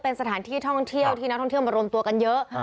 เป็นสถานที่ท่องเที่ยวที่นักท่องเที่ยวมารวมตัวกันเยอะ